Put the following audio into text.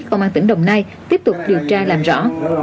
công an tỉnh đồng nai tiếp tục điều tra làm rõ